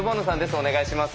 お願いします。